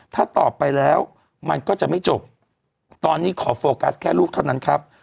ถ้าตอบไปแล้วมันก็จะไม่จบตอนนี้ขอโฟกัสแค่ลูกเท่านั้นครับ